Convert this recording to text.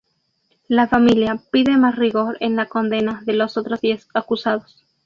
La familia pide más rigor en la condena de los otros diez acusados.